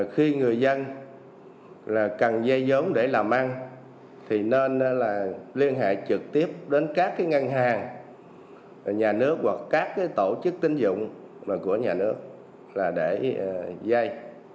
khi người dân cần dây dốn để làm ăn thì nên liên hệ trực tiếp đến các ngân hàng nhà nước hoặc các tổ chức tín dụng của nhà nước là để dây